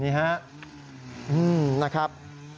นี่ครับ